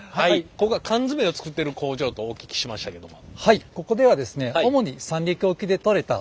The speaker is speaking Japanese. ここは缶詰を作ってる工場とお聞きしましたけども。